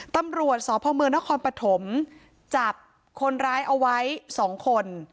ตำรวจสพเมืองนครปฐมจับคนร้ายเอาไว้๒คน